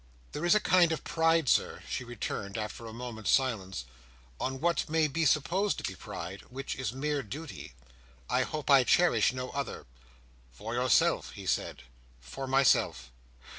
"There is a kind of pride, Sir," she returned, after a moment's silence, "or what may be supposed to be pride, which is mere duty. I hope I cherish no other." "For yourself," he said. "For myself."